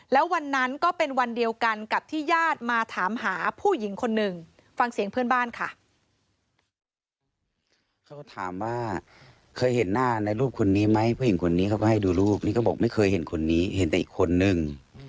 แล้ววันนั้นก็เป็นวันเดียวกันกับที่ญาติมาถามหาผู้หญิงคนหนึ่ง